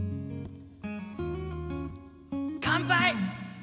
乾杯！